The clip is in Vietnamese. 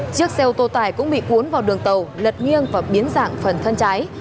chiếc xe ô tô tải cũng bị cuốn vào đường tàu lật nghiêng và biến dạng phần thân cháy